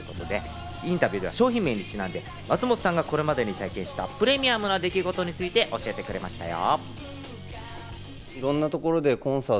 インタビューでは商品名にちなんで松本さんがこれまでに体験したプレミアムな出来事について教えてくれましたよ。